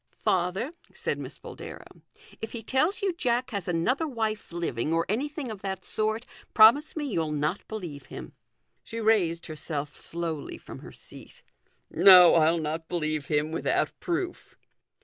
" Father," said Miss Boldero, " if he tells you THE GOLDEN RULE. 301 Jack lias another wife living or anything of that sort, promise me you'll not believe him." She raised herself slowly from her seat. " No, I'll not believe him without proof."